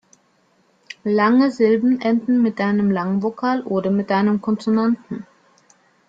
Lange Silben enden mit einem Langvokal oder mit einem Konsonanten.